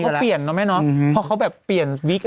แต่พอเขาเปลี่ยนพอเขาแบบเปลี่ยนวิก